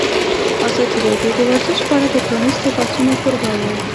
ازادي راډیو د ورزش په اړه د پرانیستو بحثونو کوربه وه.